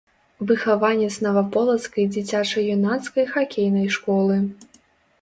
Выхаванец наваполацкай дзіцяча-юнацкай хакейнай школы.